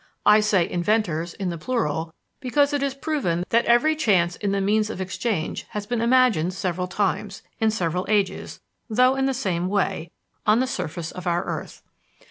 I say inventors, in the plural, because it is proven that every change in the means of exchange has been imagined several times, in several ages though in the same way on the surface of our earth.